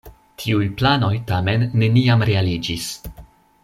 Tiuj planoj tamen neniam realiĝis.